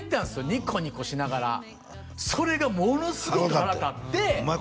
ニコニコしながらそれがものすごく腹立ってお前